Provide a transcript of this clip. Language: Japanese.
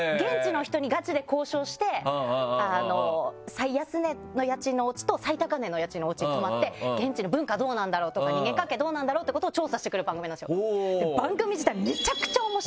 最安値の家賃のおうちと最高値の家賃のおうちに泊まって現地の文化どうなんだろうとか人間関係どうなんだろうっていうことを調査してくる番組なんですよ。